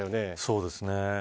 そうですね。